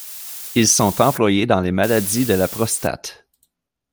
Ils sont employés dans les maladies de la prostate.